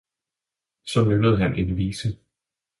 og så nynnede han en vise.